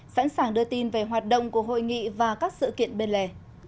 sẵn sàng đưa tin về hoạt động của hội nghị và các sự kiện bên lề